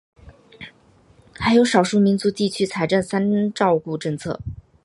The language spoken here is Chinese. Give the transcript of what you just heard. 还有少数民族地区财政三照顾政策。